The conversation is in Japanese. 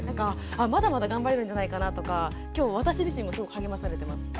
まだまだ頑張れるんじゃないかなとかきょう私自身もすごく励まされてます。